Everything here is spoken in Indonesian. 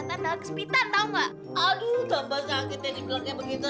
aduh tambah sakitnya di blognya begitu